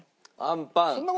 あんパン。